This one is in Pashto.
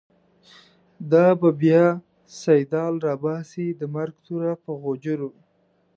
دا به بیا« سیدال» راباسی، د مرگ توره په غوجرو